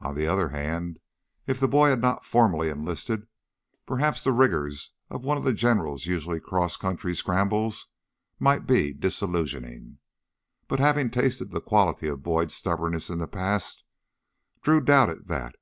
On the other hand, if the boy had not formally enlisted, perhaps the rigors of one of the General's usual cross country scrambles might be disillusioning. But, having tasted the quality of Boyd's stubbornness in the past, Drew doubted that.